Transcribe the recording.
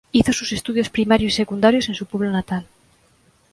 Hizo sus estudios primarios y secundarios en su pueblo natal.